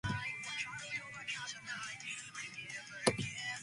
They saw the great cathedral lying couchant above the plain.